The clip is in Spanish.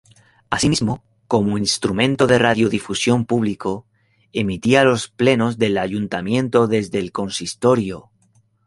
Asimismo, como instrumento de radiodifusión público, emitía los plenos del Ayuntamiento desde el Consistorio.